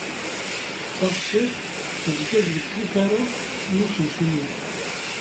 Taɣsert tezga-d deg utaram n usensu-nni.